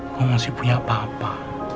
kau masih punya papa